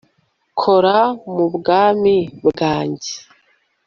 kora m'ubwami bwanjye